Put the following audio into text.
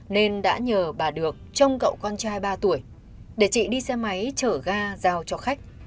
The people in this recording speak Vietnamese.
nên đã nhờ bà được trông cậu con trai ba tuổi để chị đi xe máy chở ga giao cho khách